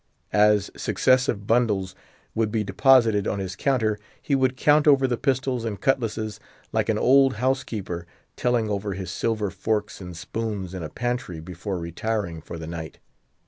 As successive bundles would be deposited on his counter, he would count over the pistols and cutlasses, like an old housekeeper telling over her silver forks and spoons in a pantry before retiring for the night.